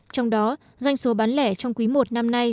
trong đó doanh số bán lẻ trong quý i năm nay